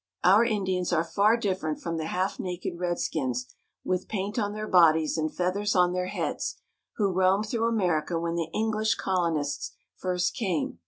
Our Indians are far different from the half naked redskins, with paint on their bodies and feathers on their heads, who roamed through America when the English colonists first came.